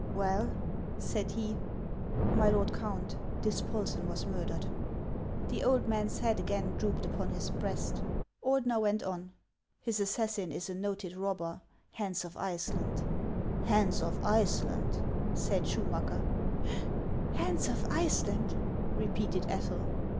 " Well ?" said he. " My lord Count, Dispolsen was murdered." The old man's head again drooped upon his breast. Ordener went on :" His assassin is a noted robber, — Hans of Iceland." " Hans of Iceland !" said Schumacker. " Hans of Iceland !" repeated Ethel.